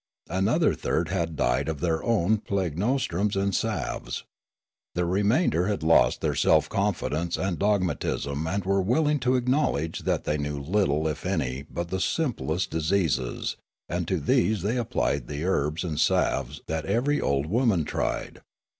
Another third had died of their own plague nostrums and salves. The remainder had lost their self confidence and dog matism and were willing to acknowledge that they knew little if any but the simplest diseases, and to these they applied the herbs and salves that every old woman tried.